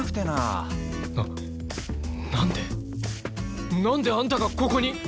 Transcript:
なんであんたがここに！？